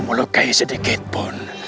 melukai sedikit pun